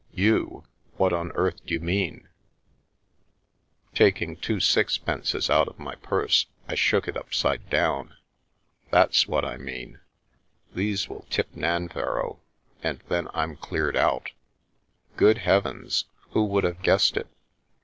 " You ! What on earth d'you mean ?" xuu London River Taking two sixpences out of my purse, I shook it upside down. " That's what I mean. These will tip Nanverrow, and then I'm cleared out." " Good heavens ! Who would have guessed it?